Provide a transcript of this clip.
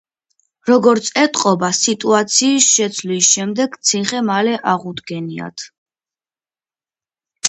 როგორც ეტყობა, სიტუაციის შეცვლის შემდეგ ციხე მალე აღუდგენიათ.